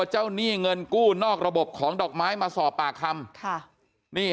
หนี้เงินกู้นอกระบบของดอกไม้มาสอบปากคำค่ะนี่